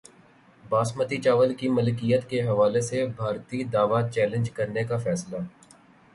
باسمتی چاول کی ملکیت کے حوالے سے بھارتی دعوی چیلنج کرنے کا فیصلہ